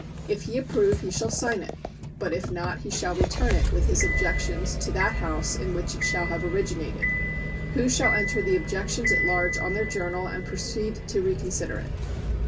If he approve he shall sign it, but if not he shall return it with his objections to that House in which it shall have originated, who shall enter the objections at large on their Journal and proceed to reconsider it.